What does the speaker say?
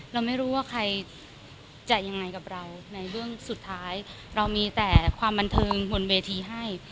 เราไม่รู้ว่าใครจะยังไงกับเราในเรื่องสุดท้ายเรามีแต่ความบันเทิงบนเวทีให้